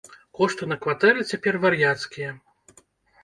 Кошты на кватэры цяпер вар'яцкія!